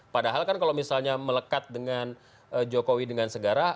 padahal kan kalau misalnya melekat dengan jokowi dengan segara